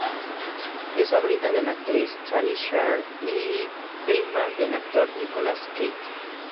Es sobrina de la actriz Talia Shire y prima del actor Nicolas Cage.